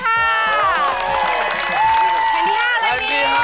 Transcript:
เป็นที่ห้าอะไรดี